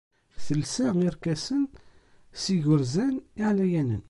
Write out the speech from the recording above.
Telsa irkasen s yigerzan iɛlayanen.